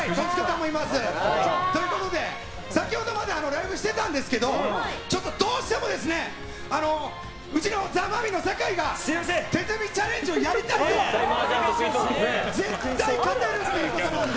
ということで、先ほどまでライブしてたんですけどちょっとどうしてもうちのザ・マミィの酒井が手積みチャレンジをやりたいと絶対勝てるっていうことなので。